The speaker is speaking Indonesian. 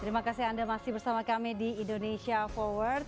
terima kasih anda masih bersama kami di indonesia forward